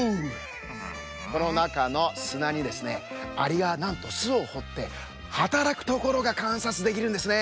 このなかのすなにですねアリがなんとすをほってはたらくところがかんさつできるんですね。